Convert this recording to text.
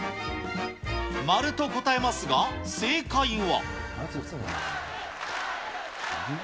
〇と答えますが、正解は。